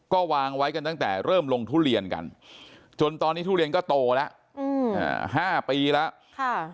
ก็วางไว้กันตั้งแต่เริ่มลงทุเรียนกันจนตอนนี้ทุเรียนก็โตแล้ว๕ปีแล้ว